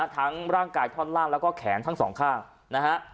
ร่างกายท่อนล่างแล้วก็แขนทั้งสองข้างนะฮะ